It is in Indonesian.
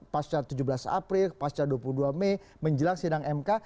pasca tujuh belas april pasca dua puluh dua mei menjelang sidang mk